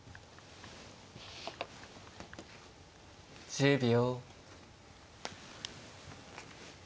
１０秒。